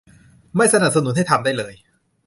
ไม่สนับสนุนให้ทำได้เลย